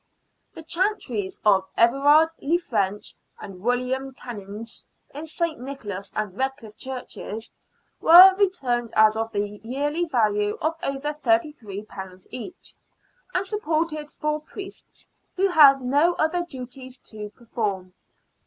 The chantries of Evrard le French and William Canynges in St. Nicholas and Redcliff Churches were returned as of the yearly value of over ;^33 each, and supported four priests, who had no other duties to perform.